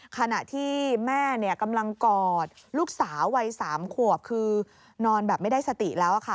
ขณะที่แม่กำลังกอดลูกสาววัย๓ขวบคือนอนแบบไม่ได้สติแล้วค่ะ